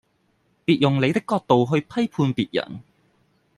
別用你的角度去批判別人